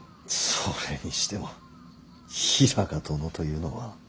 それにしても平賀殿というのは。